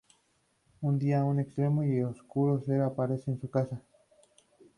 Un día un extraño y oscuro ser aparece en su casa.